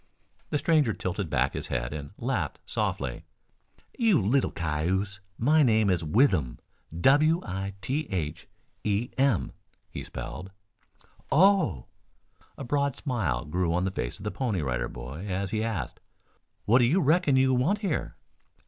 The stranger tilted back his head and laughed softly. "You little cayuse, my name is Withem. W I T H E M!" he spelled. "Oh!" A broad smile grew on the face of the Pony Rider Boy as he asked: "What do you reckon you want here?"